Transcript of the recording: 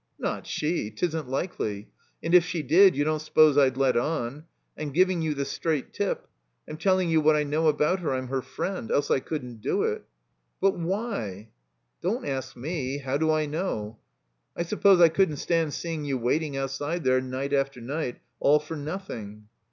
"Not she! 'Tisn't likely. And if she did, you don't suppose I'd let on. I'm giving you the straight tip. I'm telling you what I know about her. I'm her friend, else I couldn't do it." "But— why?" "Don't ask me — ^how do I know? I suppose I couldn't stand seeing you waiting outside there, night after night, all for nothing."